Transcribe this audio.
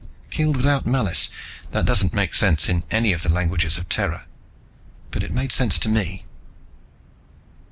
Killed without malice that doesn't make sense in any of the languages of Terra. But it made sense to me.